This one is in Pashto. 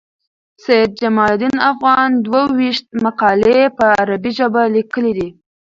سید جمال الدین افغان دوه ویشت مقالي په عربي ژبه لیکلي دي.